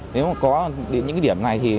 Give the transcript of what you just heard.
nếu mà có những điểm này